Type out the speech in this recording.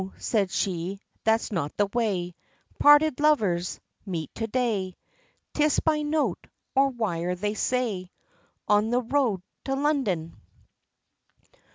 said she "That's not the way, Parted lovers, meet to day, 'Tis by note, or wire, they say 'On the road, to London.'